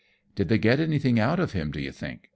" Did they get anything out of him do you think ?